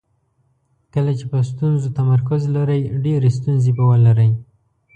کله چې په ستونزو تمرکز لرئ ډېرې ستونزې به ولرئ.